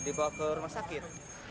dibawa ke rumah sakit